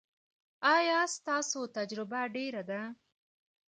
ایا ستاسو تجربه ډیره ده؟